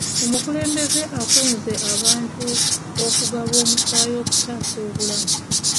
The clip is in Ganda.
Omukulembeze akunze abantu okugaba omusaayi okutaasa obulamu.